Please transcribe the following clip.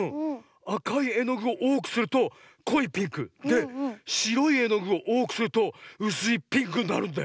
あかいえのぐをおおくするとこいピンク。でしろいえのぐをおおくするとうすいピンクになるんだよ。